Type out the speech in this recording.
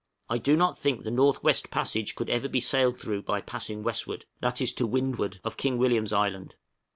I do not think the North West Passage could ever be sailed through by passing westward that is, to windward of King William's Island.